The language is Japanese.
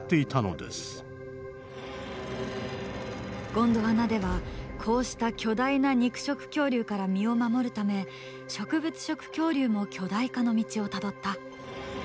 ゴンドワナではこうした巨大な肉食恐竜から身を守るため植物食恐竜も巨大化の道をたどった。